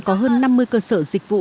có hơn năm mươi cơ sở dịch vụ